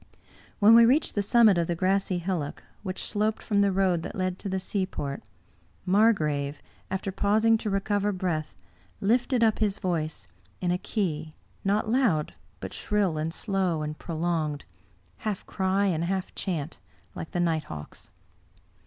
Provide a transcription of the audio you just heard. When we reached the summit of the grassy hillock, which sloped from the road that led to the seaport, Margrave, after pausing to recover breath, lifted up his voice, in a key, not loud, but shrill and slow and prolonged, half cry and half chant, like the nighthawk's.